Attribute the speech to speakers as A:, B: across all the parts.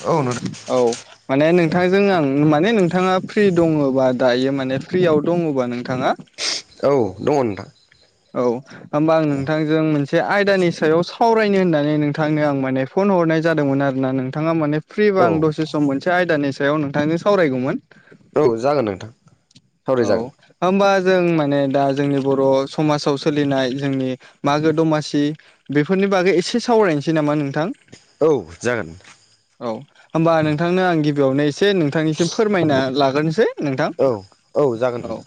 A: औ नोंथां
B: औ माने नोंथांजों आं माने नोंथाङा फ्रि दङोबा दायो माने फ्रियाव दङोबा नोंथाङा?
A: औ दङ नोंथां।
B: औ होमबा आं नोंथांजों मोनसे। मोनसे आयदानि सायाव सावरायनो होननानै नोंथांनो आं माने फन हरनाय जादोंमोन आरोना नोंथाङा माने। फ्रि बा
A: औ
B: आं दसे सम मोनसे आयदानि सायाव नोंथांजों सावरायगौमोन।
A: औ जागोन नोंथां।
B: औ
A: सावरायजागोन
B: होमबा। जों माने दा जोंनि बर' समाव सोलिनाय जोंनि मागो दमासि बेफोरनि नि बागै एसे सावरायनोसै नामा नोंथां।
A: औ जागोन
B: औ होमबा नोंथांनो आं गि गिबियावनो एसे नोंथांनिसिम फोरमायना लाग्रोनोसै नोंथां।
A: औ औ जागोन
B: औ
A: नोंथां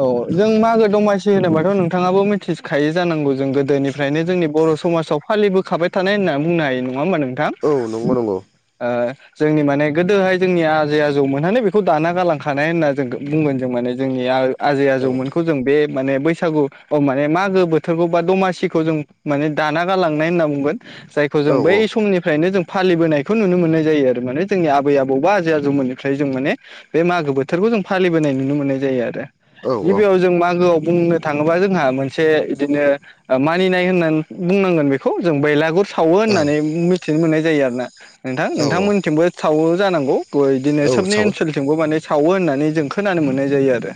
B: औ जों मागो दमासि। होनोबाथ' नोंथाङाबो मिथिखायो जानांगौ जों गोदोनिफ्रायनो जोंनि बर' समाजाव फालिबो खाबाय थानाय होनना बुंनो हायो नङा होमबा नोंथां
A: औ नंगौ नंगौ
B: ओं। जोंनि माने गोदोहाय जोंनि आजै आजौ मोनहनानै बेखौ दाना गालांखानाय होनना जों बुंगोन जों माने जोंनि आजै
A: औ
B: आजौमोनखौ जों बे माने बैसागु माने मागो बोथोरखौ बा दमासिखौ जों माने दाना गालांनाय होनना बुंगोन। जायखौ
A: औ
B: जों बै
A: औ
B: समनिफ्रायनो जों। फालिबोनायखौ नुनो मोननाय जायो आरो माने जोंनि आबै आबौबा आजै आजौमोननिफ्राय जों माने बे मागो बोथोरखौ जों फालिबोनाय नुनो मोननाय जायो आरो
A: औ ओं औ
B: गिबियाव जों मागोआव बुंनो थाङोबा जोंहा मोनसे बिदिनो मानिनाय होननानै बुंनांगोन बेखौ जों बेलागुर सावो होननानै मिथिनो मोननाय जायो आरो ना नोंथां
A: औ
B: नोंथांमोनथिंबो सावो जानांगौ। बिदिनो
A: औ
B: सोबनि
A: सावो
B: ओनसोलथिंबो माने सावो होननानै जों खोनानो मोननाय जायो आरो।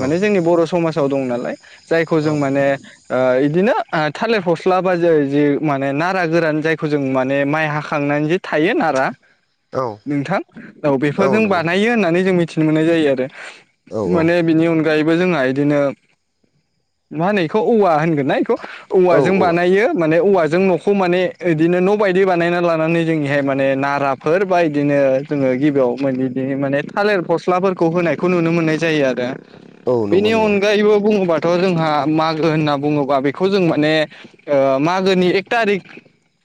A: औ
B: जोंनि बर' समाजाव दं नालाय जायखौ जों
A: औ
B: माने ओ इदिनो थालिर फस्ला बा जो जा माने नारा गोरान जायखौ जों माने माइ हाखां नानै जे थायो नारा नोंथां औ बेफोरजों बानायो होननानै जों मिथिनो मोननाय जायो आरो।
A: औ
B: माने बिनि अनगा यैबो जोंहा इदिनो मा होनो बेखौ औवा होनगोन ना बेखौ
A: औ
B: औवाजों
A: औ
B: बानायो माने औवा जों न'खौ माने इदिनो न' बायदि बानायना लानानै जोंनिहाय माने नाराफोर बा इदिनो जोङो गिबियाव बि माने थालेर फस्लाफोर खौ होनायखौ नुनो मोननाय जायो आरो
A: औ नंगौ
B: बेनि
A: नंगौ
B: अनगायैबो बुङोबा थ' जोंहा मागो होनना बुङोबा बेखौ जों माने मागोनि एक थारिक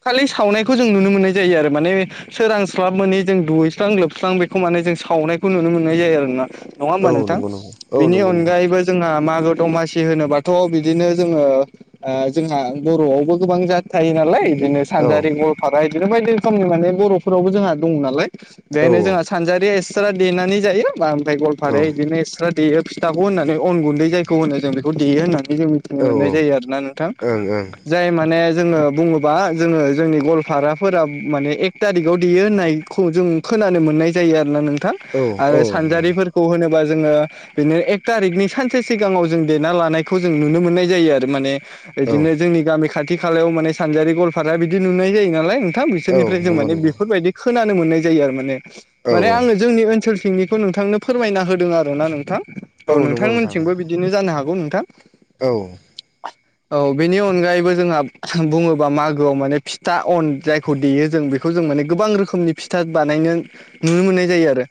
B: खालि सावनायखौ जों नुनो मोननाय जायो आरो माने सोरांस्लाब मोनै जों दुहैस्रां लोबस्रां बेखौ माने जों सावनायखौ नुनो मोननाय जायो आरोना नङा
A: औ
B: होमबा नोंथां
A: नंगौ नंगौ औ
B: बेनि
A: नंगौ नोंथां
B: अनगायैबो जोंहा मागो दमासि होनोबाथ' बिदिनो जोङो जोंहा बर'आवबो गोबां जा थायो नालाय इदिनो
A: औ
B: सानजारि गलपारा बिफोर बायदि रोखोमनि माने बर'फोरावबो जोंहा दङ नालाय
A: औ
B: बेहायनो जोंहा सानजारि एस एक्स्रा देनानै जायो ओमफ्राय गलफाराया बिदिनो एक्स्रा देयो फिथाखौ होननानै अन गुन्दै जायो होनो जों बेखौ देयो होननानै जों
A: औ
B: मिथिनो मोननाय जायो आरोना नोंथां जाय माने जोङो बुङोबा जोङो जोंनि गलपाराफोरा माने एक थारिखआव देयो होननायखौ जों खोनानो मोननाय जायो आरोना नोंथां
A: ओं ओं औ
B: आरो सानजारि
A: नंगौ
B: होनोबा जोङो बिदिनो एक थारिकनि सानसे सिगाङाव जों देना लानायखौ जों नुनो मोननाय जायो आरो माने
A: औ
B: इदिनो जोंनि गामि खाथि खालायाव माने सानजारि गलपारा बिदि नुनाय जायो नालाय थां
A: औ
B: बिसोरनिफ्राय जों
A: नंगौ
B: माने
A: नंगौ
B: बेफोरबायदि खोनानो मोननाय जायो आरो माने
A: औ
B: माने आङो जोंनि ओनसोल थिंनिखौ नोंथांनो फोरमायना होदों आरोना नोंथां औ
A: नंगौ नोंथां
B: नोंथांमोनथिंबो
A: औ
B: बिदिनो जानो हागौ नोंथां
A: औ
B: औ बेनि अनगायैबो जोंहा बुङोबा मागोआव माने फिथा अन जायखौ देयो जों बेखौ जों माने गोबां रोखोमनि फिथा बानायनो नुनो मोननाय जायो आरो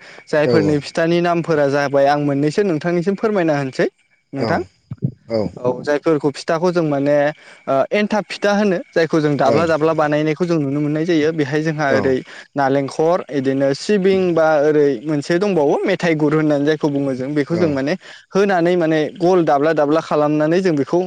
A: औ
B: जायफोरनि फिथानि नामफोरा जाबाय आं मोननैसो नोंथांनिसिम फोरमायना होनोसै नोंथां
A: ओं
B: औ जायफोरखौ फिथाखौ जों माने ओ एन्थाब फिथा होनो जायखौ जों दाब्ला दाब्ला बानायनायखौ जों नुनो मोननाय जायो बेहाय जोंहा ओरै नालेंखर बिदिनो सिबिं बा ओरै मोनसे दंबावो मेथाइ गुर होननानै जायखौ बुंङो जों बेखौ
A: औ
B: जों
A: औ
B: माने होनानै माने गल दाब्ला दाब्ला खालामनानै जों बेखौ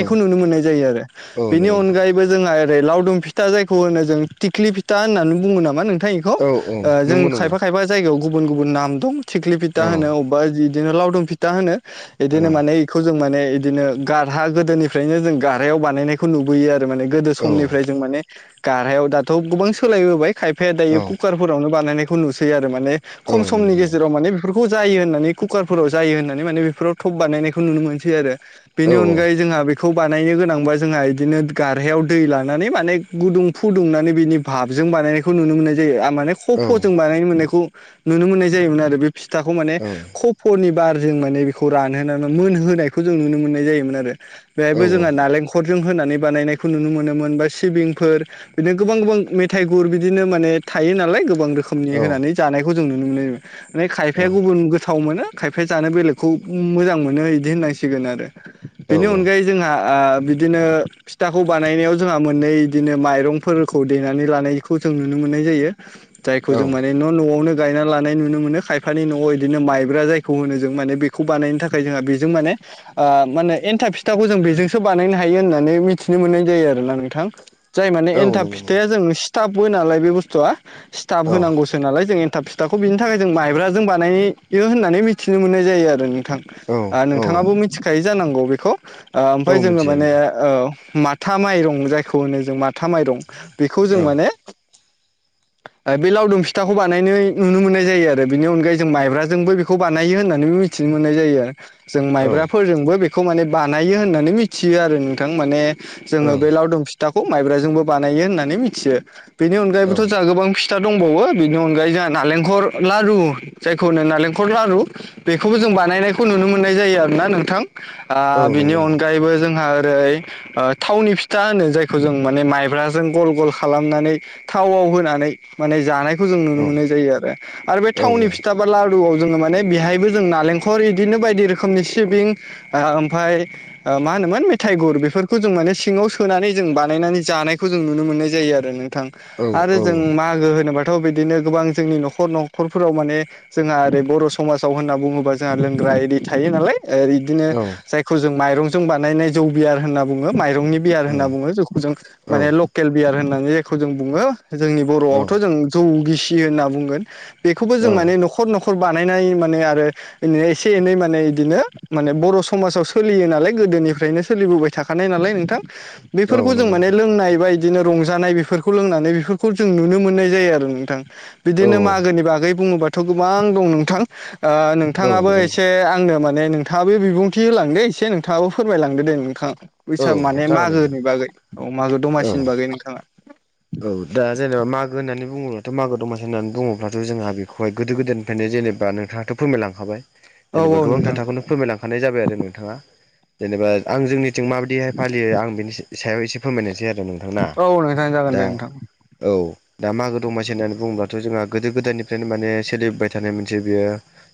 A: औ
B: नुनो मोननाय जायो आरो
A: औ
B: बेनि
A: नंगौ नोंथां
B: अनगायैबो जोंहा ओरै लावदुं फिथा जायखौ होनो थिख्लि फिथा होननानै बुंङो नामा नों [unintelligible] ओ
A: औ औ
B: जों
A: नंगौ नंगौ
B: खायफा खायफा जायगायाव गुबुन गुबुन नाम दं थिख्लि
A: औ
B: फिथा
A: ओं
B: होनो अबेबा इदिनो लावदुम फिथा होनो बिदिनो माने बेखौ जों माने इदिनो गारहा गोदोनिफ्रायनो जों गारहायाव बानायनायखौ नुबोयो आरो माने गोदो
A: औ
B: समनिफ्राय जों माने गारहायाव दाथ' गोबां सोलायबोबाय खायफाया
A: औ
B: दायो कुकारफोरावनो बानायनायखौ नुसै आरो माने
A: औ
B: खम समनि
A: नंगौ नंगौ
B: गेजेराव माने बेफोरखौ खौ जायो होननानै कुकारफोराव जायो होननानै माने बेफोराव थप बानायनायखौ नुनो मोनसै आरो
A: औ
B: बेनि अनगायै जोंहा बे खौ बानायनो गोनांबा जोंहा इदिनो गारहायाव दै लानानै माने गुदुं फुदुंनानै बिनि भाबजों जों बानायनायखौ नुनो मोननाय जायो आरो माने
A: औ
B: कफ' जों बानायनो मोननायखौ नुनो मोननाय जायोमोन आरो बे फिथाखौ माने
A: औ
B: खफनि बार जों माने बेखौ रानहानै मोन होनोनायखौ जों नुनो मोननाय जायोमोन आरो बेहायबो
A: औ औ
B: जोंहा नालेंखर जों होनानै बानायनायखौ नुनो मोनोमोन बा सिबिंफोर बिदिनो गोबां गोबां मेथाइ गुर बिदिनो माने थायो नालाय गोबां रोखोमनि होनानै जानायखौ जों नुनो मोनो ओमफ्राय खायफाया गुबुन गोथाव मोनो खायफाया जानो बेलेगखौ मोजां मोनो इदि होननांसिगोन आरो
A: औ
B: बेनि अनगायै जोंहा ओ बिदिनो फिथाखौ बानायनायाव जोंहा मोननै बिदिनो माइरंफोरखौ दैेनानै लानायखौ जों नुनो मोनो मोननाय जायो जायखौ
A: औ
B: जों माने न' न'आवनो गायना लानाय नुनो मोनो खायफानि न'आव इदिनो माइब्रा जायखौ होनो जों माने बेखौ बानायनो थाखाय जोंहा बेजों माने माने एनथाब फिथाखौ जों बेजोंसो बानायनो हायो होननानै मिथिनो मोननाय जायो आरोना नोंथां जाय माने
A: औ
B: एन्थाब
A: नंगौ नंगौ
B: फिथाया जों स्थाबो नालाय बे बुस्थुआ स्थाबा
A: औ
B: होनांगौसो नालाय जों थाब फिथाखौ बिनि थाखाय जों माइब्राजों बानायो होननानै मिथिनो मोननाय जायो आरो ना
A: औ
B: थां
A: औ
B: नोंथांङाबो मिथिखायो जानांगौ बेखौ ओमफ्रायाय
A: औ
B: जोंङो
A: मिथियो
B: माने
A: नोंथां
B: ओ माथा माइरं जायखौ होनो जों माथा माइरं बेखौ जों
A: औ
B: माने बे लावदुम फिथाखौ बानाय जायो नुनो मोननाय जायो आरो बेनि अनगायै जों माइब्राजोंबो बेखौ बानायो होननानैबो मिथिनो मोननाय जायो आरो। जों
A: औ
B: माइब्राफोरजोंबो बेखौ माने बानायो होननानै मिथियो आरो नोंथां माने। जोङो
A: ओं
B: बे लावदुम फिथाखौ माइब्राजोंबो बानायो होननानै मिथियो बेनि
A: औ
B: अनगायैबोथ' जा गोबां फिथा खिथा दंबावो बिनि अनगायै जानो नालेंखर लारु जायखौ होनो नालेंखलर लारु बेखौबो जों बानायनायखौ नुनो मोननाय जायो आरो। ना नोंथां
A: औ
B: बिनि
A: नंगौ नोंथां
B: अनगायैबो जोंहा। थावनि फिथा होनो जायखौ जों माने माइब्राजों गल गल खालामनानै थाव। होनानै
A: औ
B: जोंनो आरो आरो बे
A: औ
B: थाव फिथाबा। जायबो जों बिहायबो बायदि रोखनि सिबिं ओ ओमफाय। मा होनोमोन मेथाइ गुर बेफोरखौ जों माने सिङांव सोनानै जों बानायनानै जानायखौ जों नुनो मोननाय जायो आरो।
A: औ औ नंगौ नोंथां औ
B: आरो जों मागो होनोबाथ' बिदिनो गोबां। जोंनि न'खर न'खरफोराव माने जोंहा ओरै बर' समाजाव होनना बुंङोबा जोंहा लोंग्रा एरि थायो नालाय। बिदिनो जायखौ जों माइरंजों बानायनाय जौबियार होनना बुंङो माय जंनि बियार होनना बुंङो जोंखौ जों माने लकेल बियार होननानै जायखौ जों बुंङो। जोंनि बर'आवथ' जों जौ गिसि होनना बुंगोन बेखौबो जों माने न'खर न'खर बानायनाय माने आरोनो एसे एनै माने बिदिनो माने बर' समाव सोलियो नालाय गोदोनिफ्रायनो सोलिबोबाय थाखानाय नालाय नोंथां बेफोरखौ
A: नंगौ
B: जों माने
A: नोंथां
B: लोंनाय बाय बिदिनो रंजानाय बेफोरखौ लोंनानै बेफोरखौ जों नुनो मोननाय जायो आरो नोंथां। बिदिनो मागोनि बागै बुङोबाथ' गोबां दं नोंथां नोंथाङाबो एसे आंनो माने दे नोंथाङाबो बिबुंथि होलांदो एसे नोंथाङाबो फोरमायलदो दे नोंथां।
A: औ
B: बैसाग माने
A: जागोन
B: मागोनि
A: नोंथां
B: बागै औ मागो
A: औ
B: दमासिनि बागै नोंथांङा
A: औ दा जेनेबा मागो होननानै बुङोब्लाथ' मागो दमासि होननानै बुंङोब्लाथ' जोंहा बेखौहाय गोदो-गोदायनिफ्रायनो जेनेबा नोंथांङाथ' फोरमायलांखाबाय
B: औ
A: जेनेबा
B: औ
A: गोबां
B: नोंथां
A: खोथाखौनो फोरमायलांखानाय जाबाय आरो नोंथाङा जेनेबा आं जोंनि जों माबायदिहाय फालियो आं बिनि सायाव एसे फोरमायनायसै आरो। नोंथांना
B: औ नोंथां जा
A: दा औ। दा मागो दमासि होननानै बुङोब्लाथ' जोंहा गोदो गोदायनिफ्रायनो माने सोलिबाय थानाय मोनसे बेयो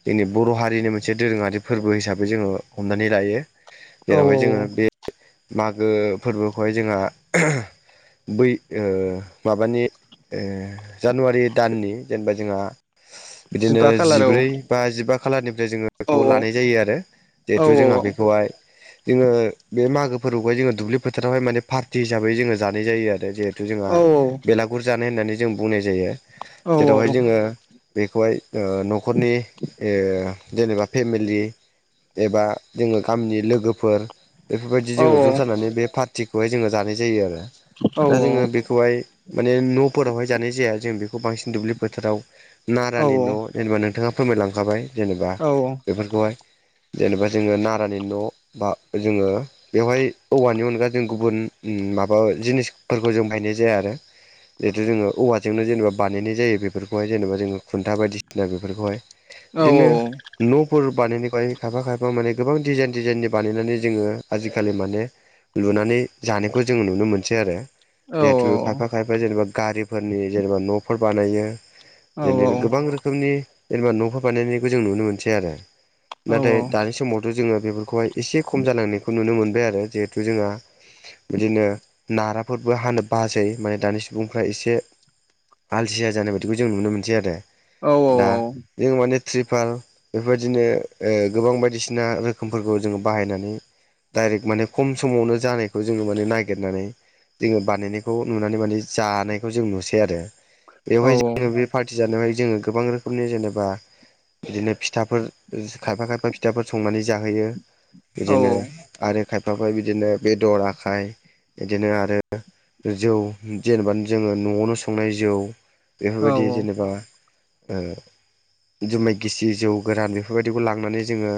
A: जोंनि। बर' हारिनि मोनसे दोरोङारि फोरबो हिसाबै जोङो हमनानै लायो।
B: औ
A: जेरावहाय
B: औ औ
A: जोङो बे मागो फोरबोखौहाय जोंहा बै माबानि जानुवारि दाननि जेनेबा जोंहा बिदिनो
B: जिबा खालार औ
A: जिब्रै बा जिबा खालारनि जोङो
B: औ
A: बेखौ लानाय जायो आरो
B: औ
A: जिहेथु जोंहा बेखौहाय जोङो बे मागो फोरफोरखौहाय जोङो दुब्लि फोथारावहायानो पार्टि हिसाबै जोङो जानाय जायो आरो जे जिथु जोंहा
B: औ
A: बेलागुर जानाय होननानै जों बुंनाय जायो
B: औ
A: जेरावहाय जोङो बेखौहाय। न'खरनि जेनेबा फेमिलि एबा जोङो गामिनि लोगोफोर बेफोरबायदि
B: औ
A: जोङो ज' जानानै बे पार्टिखौहाय जोङो जानाय जायो आरो
B: औ औ।
A: फाय माने न'फोरावहाय जानाय जाया जों बेखौ बांसिन दुब्लि फोथाराव। नारानि न'
B: औ
A: जेनेबा नोंथाङा फोरमायलांखाबाय जेनेबा बेफोरखौहाय जेनेबा जोङो नारानि न' बा जोङो बेवहाय औवानि अनगा जों गुबुन माबा जिनिसफोरखौ जों बायनाय जाया आरो। जिथु जोङो औवाजोंनो जेनेबा बानायनाय जायो बेफोरखौहाय जेनेबा जोङो खुन्था बायदिसिना बेफोरखौहाय बिदिनो न'फोर बानायनाय। माय खायफा खायफा माने गोबां डिजाइन डिजाइननि बानायनानै जोङो आजिखालि माने लुनानै जानायखौ जों नुनो मोनसै आरो। जिहेथु खायफा खायफा जेनेबा गारिफोरनि जेनेबा न'फोर बानायो बिदिनो गोबां रोखोमनि जेनेबा न'खौ बानायनायखौ जों नुनो मोनसै आरो नाथाय दानि समावथ' जोङो बेफोरखौहाय एसे खम जालांनायखौ नुनो मोनदों आरो जिहेथु जोंहा बिदिनो नाराफोरबो हानो बासै माने दानि सुबुंफ्रा एसे आलसिया जानाय बायदिखौ जों नुनो मोनसै आरो
B: औ
A: दा जों माने त्रिपाल बेफोरबायदिनो ओ गोबां बायदिसिना रोखोमफोरखौ जोङो बाहायनानै डाइरेक्ट माने खम समावनो जानायखौ जोङो माने नागिरनानै जोङो बानायनाय खौ नुनानै माने जानायखौ जों नुसै आरो बेवहाय जोङो बे पार्टि जानायावहाय जोङो गोबां रोखोमनि जेनेबा बिदिनो फिथाफोर खायफा खायफा फिथाफोर संनानै जाहोयो इदिनो
B: औ
A: आरो खायफाफोर बिदिनो बेदर आखाय इदिनो आरो जौ जेनेबा जोङो न'आवनो संनाय जौ बेफोरबायदि जेनेबा ओ जुमाय गिसि जौ गोरान बेफोरबायदिखौ लांनानै जोङो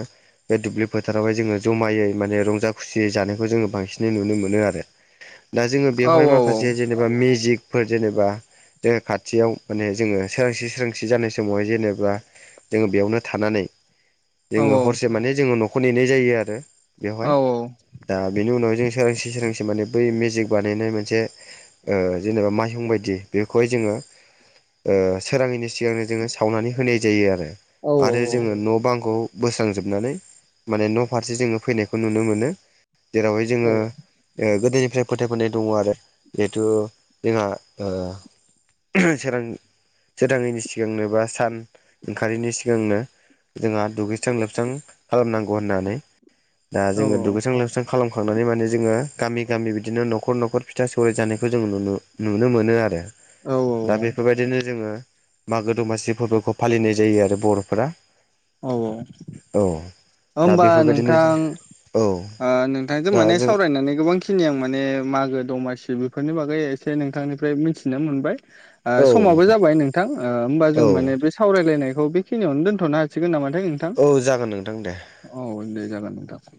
A: बे दुब्लि फोथारावहाय जोङो जमायै माने रंजा खुसियै जानायखौ जोङो बांसिनै नुनो मोनो आरो दा जों बेवहाय माखासे जेनेबा मेजिक फोर जेनेबा जोङो खाथियाव माने जोङो सोरांसि सोरांसि जानाय समावहाय जेनेबा जोङो बेयावनो थानानै जोङो हरसे माने जोङो न'खौ नेनाय जायो आरो बेवहाय दा बेनि उनावहाय जों सोरांसे सोरांसे माने बै मेजिक बार नायनाय मोनसे ओ जेनेबा माइहुं बायदि बेखौहाय जोङो ओ सोराङैनि सिगांनो जोङो सावनानै होनाय जायो आरो आरो जोङो न' बांखौ बोस्रांजोबनानै माने न'फारसे जोङो फैनायखौ नुनो मोनो जेरावहाय जोङो गोदोनिफ्राय फोथाय बोनाय दङ आरो जिहेथु जोंहा सोरां सोरङैनि सिगांनो बा सान ओंखारैनि सिगांनो जोंहा दुगैस्रां लोबस्रां खालामनांगौ होननानै दा जोङो दुगैस्रां लोबस्रां खालामखांनानै माने जोङो गामि गामि बिदिनो न'ख न'खर न'खर फिथा सौराय जानायखौ जों नुनो नुनो मोनो आरो
B: औ
A: दा बेफोरबायदिनो जोङो मागो दमासि फोरबोखौ फालिनाय जायो आरो बर'फोरा
B: औ औ
A: दा
B: ओमबा
A: बेफोरबायदिनो
B: नोंथां
A: औ
B: ओ नोंथांजों
A: दा
B: माने
A: जों
B: सावरायनानै गोबांखिनि आं माने मागो दमासि बेफोरनि बागै एसे नोंथांनिफ्राय मिथिनो मोनबाय ओ
A: औ
B: समाबो
A: नोंथां
B: जाबाय नोंथां ओमबा
A: औ
B: जों माने बे सावरायलायनायखौ बेखिनियावनो दोनथ'नो हा नोंथां
A: औ जागोन नोंथां दे
B: औ दे जागोन नोंथां